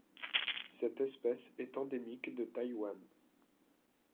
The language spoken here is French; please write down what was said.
Cette espèce est endémique de Taïwan.